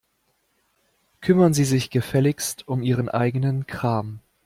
Kümmern Sie sich gefälligst um Ihren eigenen Kram.